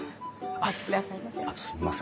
お待ちくださいませ。